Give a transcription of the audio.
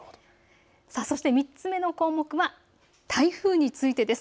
３つ目の項目は台風についてです。